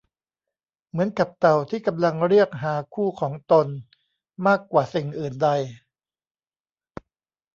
เหมือนกับเต่าที่กำลังเรียกหาคู่ของตนมากกว่าสิ่งอื่นใด